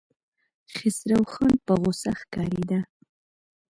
خسروخان په غوسه ښکارېده.